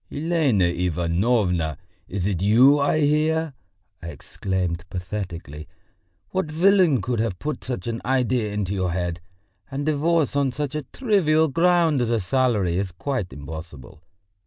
"Elena Ivanovna! is it you I hear!" I exclaimed pathetically. "What villain could have put such an idea into your head? And divorce on such a trivial ground as a salary is quite impossible.